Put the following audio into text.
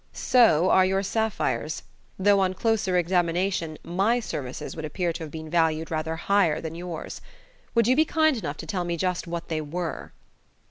"So are your sapphires; though, on closer examination, my services would appear to have been valued rather higher than yours. Would you be kind enough to tell me just what they were?"